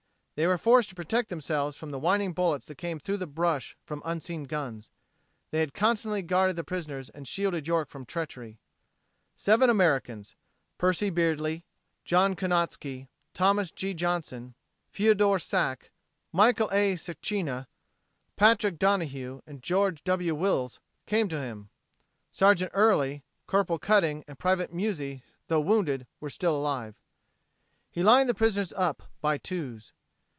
They were forced to protect themselves from the whining bullets that came through the brush from unseen guns. They had constantly guarded the prisoners and shielded York from treachery. Seven Americans Percy Beardsley, Joe Konotski, Thomas G. Johnson, Feodor Sak, Michael A. Sacina, Patrick Donahue and George W. Wills came to him. Sergeant Early, Corporal Cutting and Private Muzzi, tho wounded, were still alive. He lined the prisoners up "by twos."